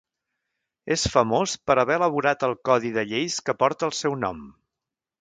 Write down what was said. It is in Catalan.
És famós per haver elaborat el codi de lleis que porta el seu nom.